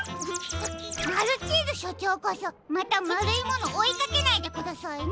マルチーズしょちょうこそまたまるいものおいかけないでくださいね。